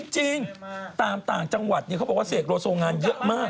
จริงตามต่างจังหวัดเขาบอกว่าเสกโลโซงานเยอะมาก